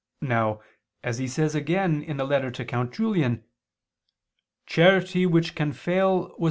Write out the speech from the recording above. Now, as he says again in a letter to Count Julian, "charity which can fail was never true."